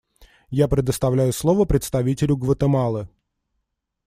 Я предоставляю слово представителю Гватемалы.